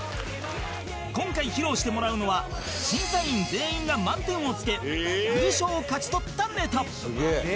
今回披露してもらうのは審査員全員が満点をつけ優勝を勝ち取ったネタ